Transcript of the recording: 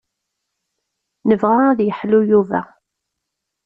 Nebɣa ad yeḥlu Yuba.